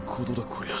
こりゃ。